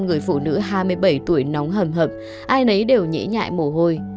người phụ nữ hai mươi bảy tuổi nóng hầm hập ai nấy đều nhễ nhại mồ hôi